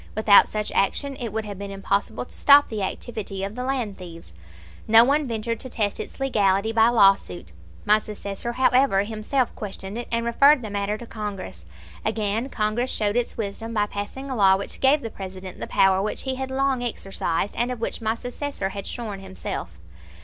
Without such action it would have been impossible to stop the activity of the land thieves. No one ventured to test its legality by lawsuit. My successor, however, himself questioned it, and referred the matter to Congress. Again Congress showed its wisdom by passing a law which gave the President the power which he had long exercised, and of which my successor had shorn himself.